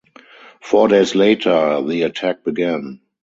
Four days later, the attack began.